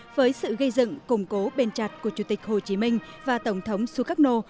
với sự gây dựng củng cố bền chặt của chủ tịch hồ chí minh và tổng thống sukarno